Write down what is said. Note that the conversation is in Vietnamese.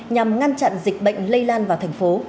nhằm ngăn chặn dịch bệnh lây lan vào thành phố